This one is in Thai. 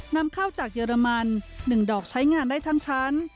นำเข้าจากเยอรมัน๑ดอกใช้งานได้ทั้งชั้น